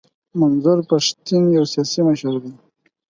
منظور پښتین یو سیاسي مشر دی.